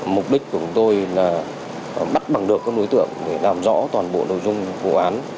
mục đích của chúng tôi là bắt bằng được các đối tượng để làm rõ toàn bộ nội dung vụ án